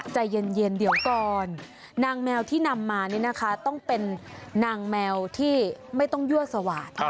ใจเย็นเดี๋ยวก่อนนางแมวที่นำมานี่นะคะต้องเป็นนางแมวที่ไม่ต้องยั่วสวาด